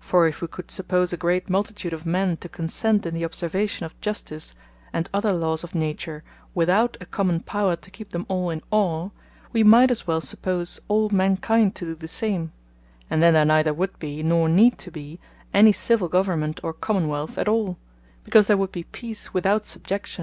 For if we could suppose a great Multitude of men to consent in the observation of Justice, and other Lawes of Nature, without a common Power to keep them all in awe; we might as well suppose all Man kind to do the same; and then there neither would be nor need to be any Civill Government, or Common wealth at all; because there would be Peace without subjection.